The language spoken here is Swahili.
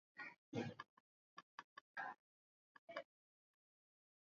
ya Kiswahili yalionesha kuwavutia watu wengi sana waliofurika kwenye tamasha hilo Baada ya Rapu